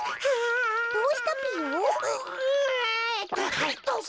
はいどうぞ。